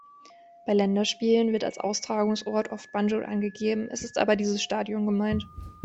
Bei Länderspielen wird als Austragungsort oft Banjul angegeben, es ist aber dieses Stadion gemeint.